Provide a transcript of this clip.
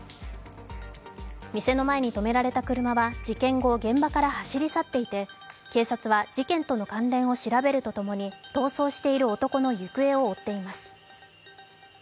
店の前に止められた車は事件後、現場から走り去っていて警察は事件との関連を調べるとともに逃走している男の行方を追っています。